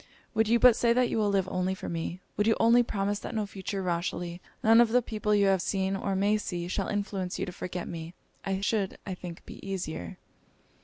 Would you but say that you will live only for me would you only promise that no future Rochely, none of the people you have seen or may see, shall influence you to forget me I should, I think, be easier!'